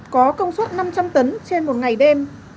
có công suất năm trăm linh tấn trên một ngày đêm